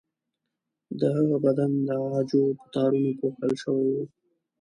د هغه بدن د عاجو په تارونو پوښل شوی و.